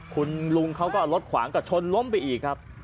คุณลุงเขาก็รถขวางก็ชนล้มไปอีกครับ